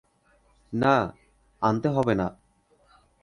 না, আনতে হবে না।